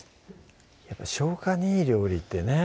やっぱ消化にいい料理ってね